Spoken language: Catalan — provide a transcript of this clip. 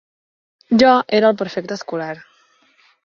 Jo era el prefecte escolar.